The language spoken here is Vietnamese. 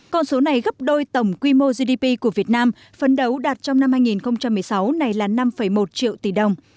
con số này gấp đôi tổng quy mô gdp của việt nam phấn đấu đạt trong năm hai nghìn một mươi sáu này là năm một triệu tỷ đồng